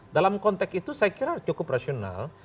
dalam konteks itu saya kira cukup rasional